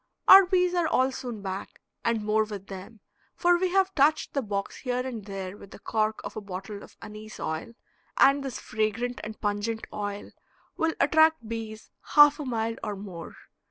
Our bees are all soon back, and more with them, for we have touched the box here and there with the cork of a bottle of anise oil, and this fragrant and pungent oil will attract bees half a mile or more.